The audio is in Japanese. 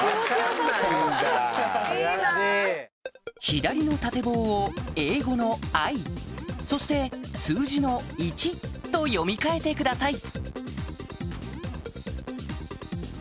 左の縦棒を英語の「Ｉ」そして数字の「１」と読み替えてください